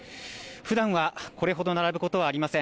ふだんはこれほど並ぶことはありません。